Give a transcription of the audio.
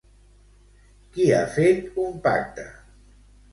Qui ha fet un pacte?